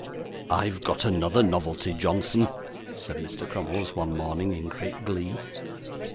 'I've got another novelty, Johnson,' said Mr. Crummles one morning in great glee.